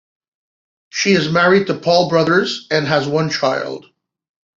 She is married to Paul Brothers and has one child.